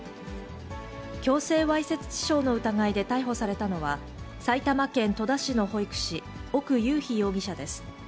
強制わいせつ致傷の疑いで逮捕されたのは、埼玉県戸田市の保育士、奥雄飛容疑者です。